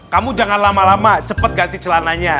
kamu jangan lama lama cepet ganti celananya